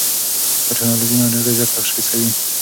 دا ټېکنالوژي ناروغي ژر تشخیص کوي.